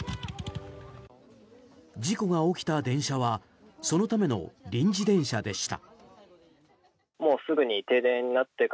事故が起きた電車はそのための臨時電車でした。